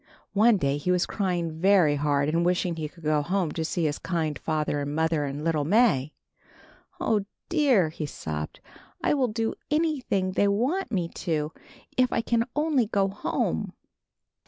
One day he was crying very hard and wishing he could go home to see his kind father and mother and little May. 36 THE GIANT AND THE FAIRY. "Oh dear! he sobbed, "I will do anything they want me to, if I can only go home.